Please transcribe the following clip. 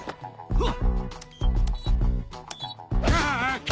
うわっ！